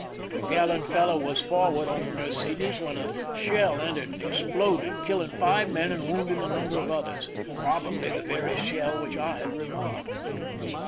The gallant fellow was forward on the Mercedes when a shell entered and exploded, killing five men and wounding a number of others— probably the very shell which I had remarked.